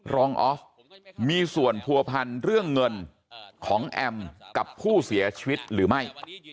ออฟมีส่วนผัวพันธ์เรื่องเงินของแอมกับผู้เสียชีวิตหรือไม่